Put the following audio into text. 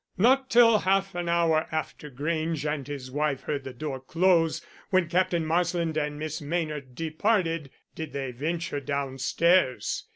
"Not till half an hour after Grange and his wife heard the door close, when Captain Marsland and Miss Maynard departed, did they venture downstairs.